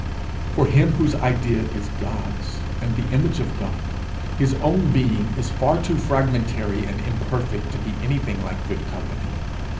For him whose idea is God's, and the image of God, his own being is far too fragmentary and imperfect to be anything like good company.